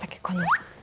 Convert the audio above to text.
この。